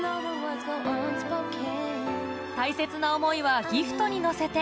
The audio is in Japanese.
大切な思いはギフトに乗せて